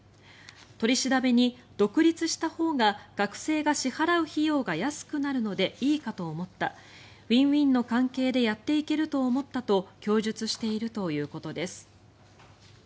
取り調べに、独立したほうが学生が支払う費用が安くなるのでいいかと思ったウィンウィンの関係でやっていけると思ったと供述しているということです。